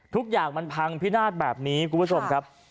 ทุกอย่างมันพังพินาศแบบนี้คุณผู้ชมครับ